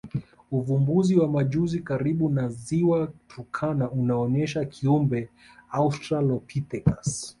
Uvumbuzi wa majuzi karibu na Ziwa Turkana unaonyesha kiumbe Australopithecus